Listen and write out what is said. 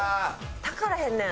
炊からへんねん。